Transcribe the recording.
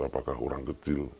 apakah orang kecil